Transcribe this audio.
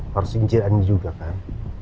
harus incir aja juga kan